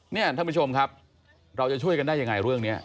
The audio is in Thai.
ท่านผู้ชมครับเราจะช่วยกันได้ยังไงเรื่องนี้